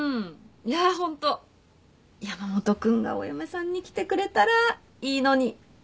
いやホント山本君がお嫁さんに来てくれたらいいのに。